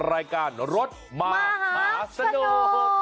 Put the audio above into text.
รายการรถมหาสนุก